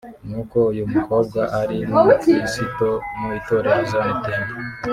nuko uyu mukobwa ari n'umukristo mu itorero Zion Temple